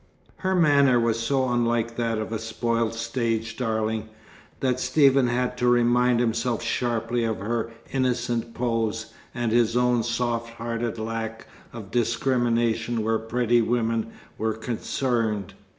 Her manner was so unlike that of a spoiled stage darling, that Stephen had to remind himself sharply of her "innocent pose," and his own soft hearted lack of discrimination where pretty women were concerned.